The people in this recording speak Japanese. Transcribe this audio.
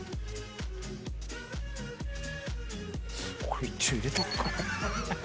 これ一応入れとくか。